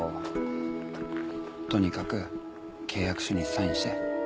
とにかく契約書にサインして。